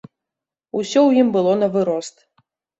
Усё ў ім было навырост.